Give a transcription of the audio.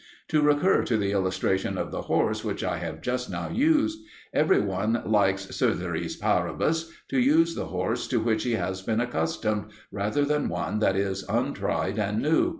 To recur to the illustration of the horse which I have just now used. Every one likes ceteris paribus to use the horse to which he has been accustomed, rather than one that is untried and new.